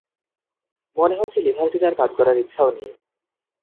মনে হচ্ছে লিভারটির আর কাজ করার ইচ্ছাও নেই।